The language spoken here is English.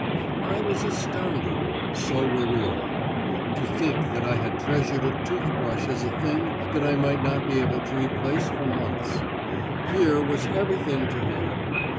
I was astounded; so were we all. To think that I had treasured a toothbrush as a thing that I might not be able to replace for months! Here was everything to hand.